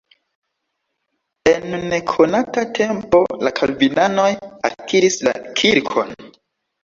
En nekonata tempo la kalvinanoj akiris la kirkon.